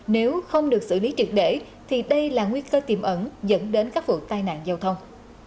nếu không được xử lý triệt để thì đây là nguy cơ tiềm ẩn dẫn đến các vụ tai nạn giao thông